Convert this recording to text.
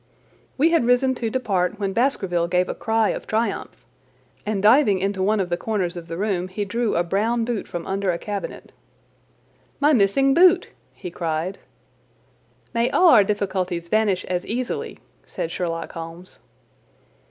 We had risen to depart when Baskerville gave a cry of triumph, and diving into one of the corners of the room he drew a brown boot from under a cabinet. "My missing boot!" he cried. "May all our difficulties vanish as easily!" said Sherlock Holmes.